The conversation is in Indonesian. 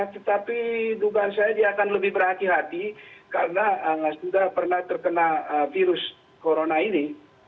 tetapi dugaan saya dia akan lebih berhati hati karena sudah pernah terkena virus corona ini